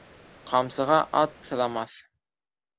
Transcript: Ҡамсыға аг сыҙамаҫ